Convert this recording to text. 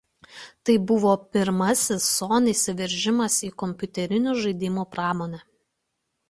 Tai buvo pirmasis „Sony“ įsiveržimas į kompiuterinių žaidimų pramonę.